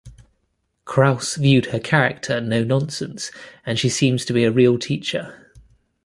Crouse viewed her character no nonsense, and she seems to be a real teacher.